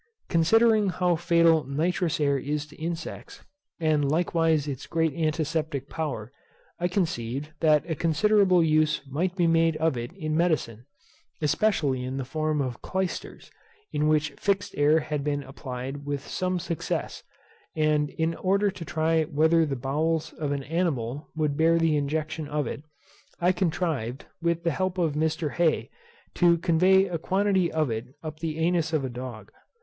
Considering how fatal nitrous air is to insects, and likewise its great antiseptic power, I conceived that considerable use might be made of it in medicine, especially in the form of clysters, in which fixed air had been applied with some success; and in order to try whether the bowels of an animal would bear the injection of it, I contrived, with the help of Mr. Hey, to convey a quantity of it up the anus of a dog.